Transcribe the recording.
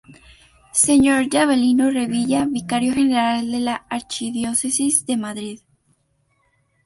Sr D. Avelino Revilla, Vicario General de la Archidiócesis de Madrid.